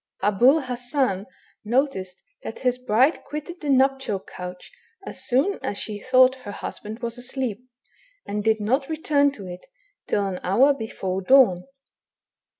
Ahul Hassan noticed that his hride quitted the nuptial couch as soon as she thought her hushand was asleep, and did not return to it, till an hour hefore dawn.